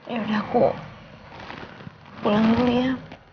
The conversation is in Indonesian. aku mau pulang dulu ya